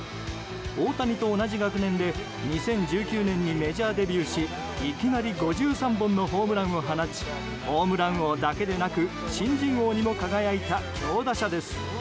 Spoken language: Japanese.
大谷と同じ学年で２０１９年にメジャーデビューしいきなり５３本のホームランを放ちホームラン王だけでなく新人王にも輝いた強打者です。